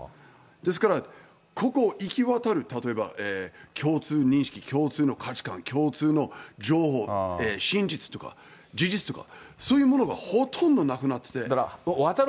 ですから、ここいきわたる、例えば共通認識、共通の価値観、共通の情報、真実とか、事実とか、そういうものがほとんどなくなってて。